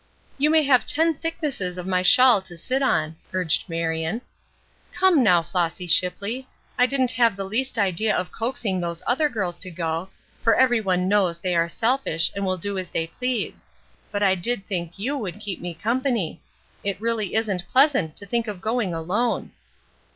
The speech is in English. "You may have ten thicknesses of my shawl to sit on," urged Marion. "Come, now, Flossy Shipley. I didn't have the least idea of coaxing those other girls to go, for every one knows they are selfish and will do as they please; but I did think you would keep me company. It really isn't pleasant to think of going alone."